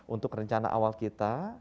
untuk rencana awal kita